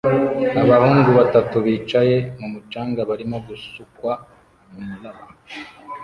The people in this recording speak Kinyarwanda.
abahungu batatu bicaye mumucanga barimo gusukwa numuraba